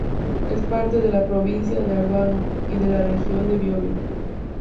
Es parte de la provincia de Arauco y de la región del Biobío.